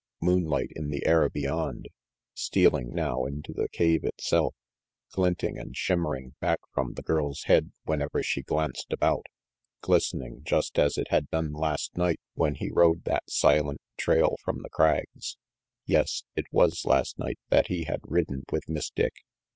Moonlight in the air beyond. Stealing now into the cave itself. Glinting and shimmering back from the girl's head whenever she glanced about glistening just as it had done last night when he rode that silent trail from the Crags yes, it was last night that he had ridden with Miss Dick.